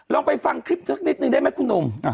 ลองไปฟังคลิปสักนิดนึงได้ไหมคุณหนุ่ม